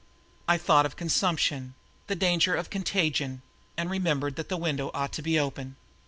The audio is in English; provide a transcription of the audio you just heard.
I thought of consumption, the danger of contagion, and remembered that the window ought to be open.